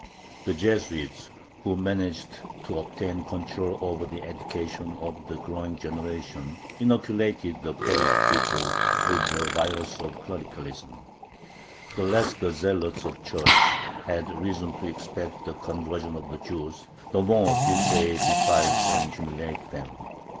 The Jesuits, who managed to obtain control over the education of the growing generation, inoculated the Polish people with the virus of clericalism. The less the zealots of the Church had reason to expect the conversion of the Jews, the more did they despise and humiliate them.